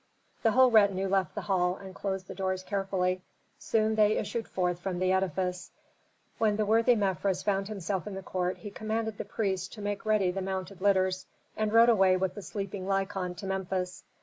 The whole retinue left the hall and closed the open doors carefully. Soon they issued forth from the edifice. When the worthy Mefres found himself in the court he commanded the priests to make ready the mounted litters, and rode away with the sleeping Lykon to Memphis.